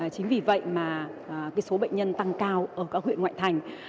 chính vì vậy mà số bệnh nhân tăng cao ở các huyện ngoại thành